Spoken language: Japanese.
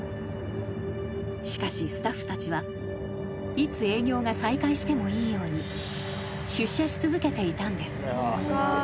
［しかしスタッフたちはいつ営業が再開してもいいように出社し続けていたんです］